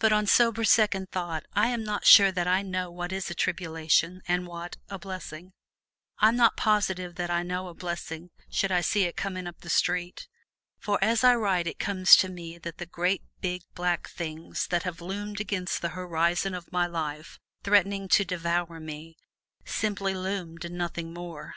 But on sober second thought I am not sure that I know what is a tribulation and what a blessing. I'm not positive that I would know a blessing should I see it coming up the street. For as I write it comes to me that the Great Big Black Things that have loomed against the horizon of my life, threatening to devour me, simply loomed and nothing more.